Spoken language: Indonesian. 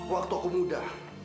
waktu aku muda